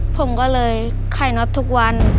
ผมก็เลยไข่น็อตทุกวัน